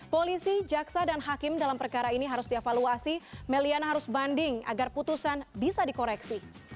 polisi jaksa dan hakim dalam perkara ini harus dievaluasi meliana harus banding agar putusan bisa dikoreksi